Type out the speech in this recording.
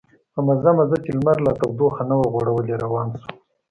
په مزه مزه چې لمر لا تودوخه نه وه غوړولې روان شوم.